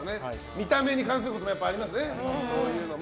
見た目に関することもありますね。